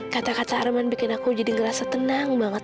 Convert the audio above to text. kata kata arman bikin aku jadi ngerasa tenang banget